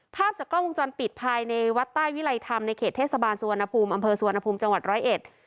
ภาพจากกล้องวงจรปิดภายในวัดใต้วิลัยธรรมในเขตเทศบาลสุวรรณภูมิอำเภอสุวรรณภูมิจังหวัดร้อยเอ็ด